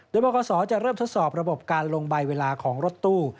โดยบคศจะเริ่มทดสอบระบบการลงใบเวลาของรถตู้